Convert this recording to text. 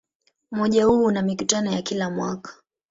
Umoja huu una mikutano ya kila mwaka.